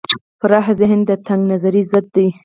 پراخ ذهن د تنگ نظرۍ ضد دی.